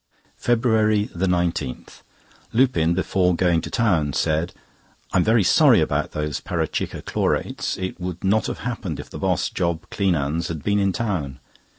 FEBRUARY 19.—Lupin, before going to town, said: "I am very sorry about those Parachikka Chlorates; it would not have happened if the boss, Job Cleanands, had been in town.